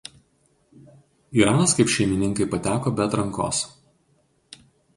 Iranas kaip šeimininkai pateko be atrankos.